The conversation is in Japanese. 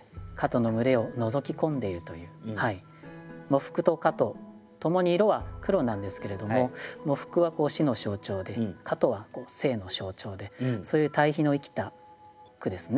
「喪服」と「蝌蚪」ともに色は黒なんですけれども喪服は死の象徴で蝌蚪は生の象徴でそういう対比の生きた句ですね。